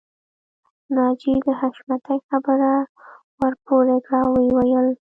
ناجیې د حشمتي خبره ورپرې کړه او ويې ويل